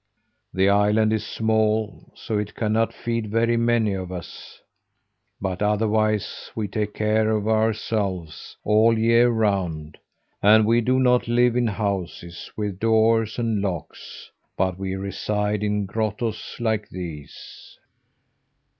The island is small, so it cannot feed very many of us. But otherwise we take care of ourselves all the year round, and we do not live in houses with doors and locks, but we reside in grottoes like these."